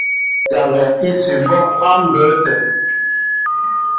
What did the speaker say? Ni jaŋɛ ísʉbɔ́ á mbə̌ tə̂.